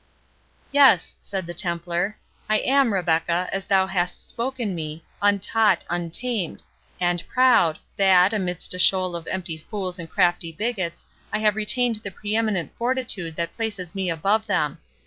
"Yes," said the Templar, "I am, Rebecca, as thou hast spoken me, untaught, untamed—and proud, that, amidst a shoal of empty fools and crafty bigots, I have retained the preeminent fortitude that places me above them.